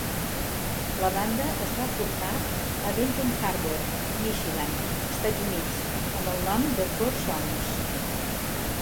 La banda es va formar a Benton Harbor, Michigan, Estats Units, amb el nom de Four Sounds.